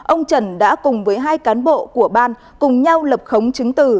ông trần đã cùng với hai cán bộ của ban cùng nhau lập khống chứng từ